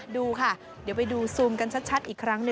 ดูค่ะเดี๋ยวไปดูซูมกันชัดอีกครั้งหนึ่ง